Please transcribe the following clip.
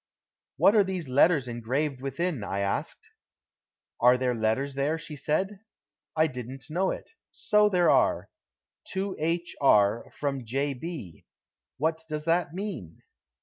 "What are these letters engraved within?" I asked. "Are there letters there?" she said. "I didn't know it. So there are. To H. R., from J. B. What does that mean?"